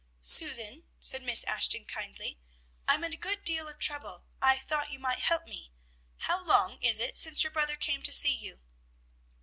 "Susan," said Miss Ashton kindly, "I am in a good deal of trouble; I thought you might help me. How long is it since your brother came to see you?"